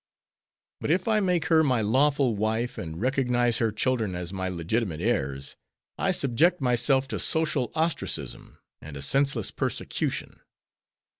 "But if I make her my lawful wife and recognize her children as my legitimate heirs, I subject myself to social ostracism and a senseless persecution.